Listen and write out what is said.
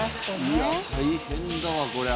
いや大変だわこりゃ。